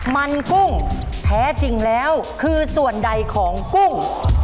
มันกุ้งแท้จริงแล้วคือส่วนใดของกุ้ง